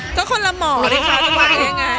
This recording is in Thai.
ก็คนละหมอด้วย